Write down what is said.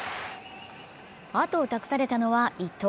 後を託されたのは伊藤。